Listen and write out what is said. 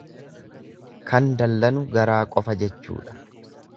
Kan dallanu garaa qofa jechuudha.